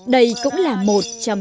đây cũng là một trong những